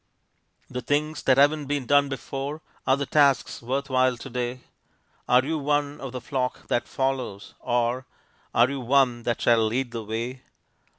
The things that haven't been done before Are the tasks worth while to day; Are you one of the flock that follows, or Are you one that shall lead the way?